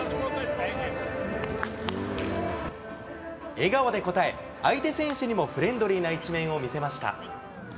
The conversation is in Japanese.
笑顔で応え、相手選手にもフレンドリーな一面を見せました。